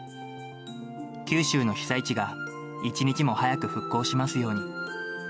九州の被災地が一日も早く復興しますように。